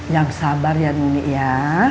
yang sabar ya nuni ya